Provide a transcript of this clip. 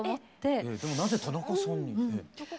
でもなぜ「タナカさん」に？